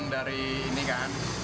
dari ini kan